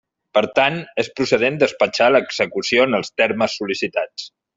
Per tant, és procedent despatxar l'execució en els termes sol·licitats.